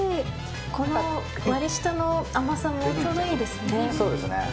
この割り下の甘さもちょうどいいですね。